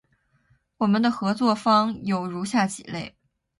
我们的合作方有如下几类：